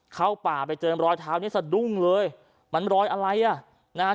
เข้าป่าไปเจอรอยเท้านี้สะดุ้งเลยมันรอยอะไรอ่ะนะฮะ